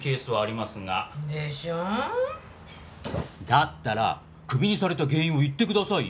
だったらクビにされた原因を言ってくださいよ。